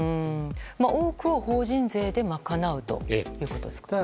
多くを法人税で賄うということですか。